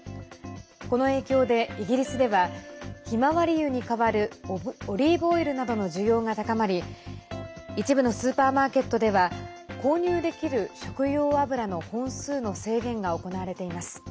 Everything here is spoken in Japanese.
この影響で、イギリスではひまわり油に代わるオリーブオイルなどの需要が高まり一部のスーパーマーケットでは購入できる食用油の本数の制限が行われています。